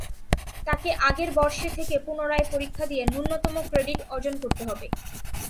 তাকে আগের বর্ষে থেকে পুনরায় পরীক্ষা দিয়ে ন্যূনতম ক্রেডিট অর্জন করতে হবে।